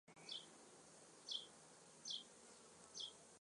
Several animals appear, with flashbacks showing shortly how they died.